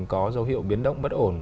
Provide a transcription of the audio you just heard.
có dấu hiệu biến động bất ổn